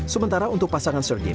sementara untuk pasangan sergei